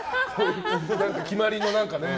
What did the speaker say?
決まりのなんかね。